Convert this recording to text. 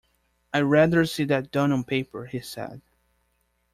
‘I’d rather see that done on paper,’ he said.